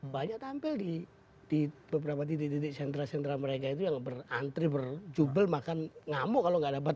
banyak tampil di beberapa titik titik sentra sentra mereka itu yang berantri berjubel makan ngamuk kalau nggak dapat